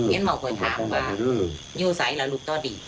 เย็นหม่อพ่อยถามว่าอยู่ใส่หรือลูกต่อดี